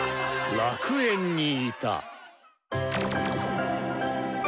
楽園にいた。